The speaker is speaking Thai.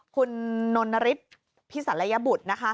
คุณนนริษฐ์พี่ศัลยบุตร